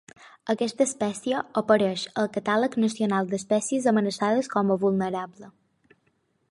Aquesta espècie apareix al Catàleg Nacional d'Espècies Amenaçades com a vulnerable.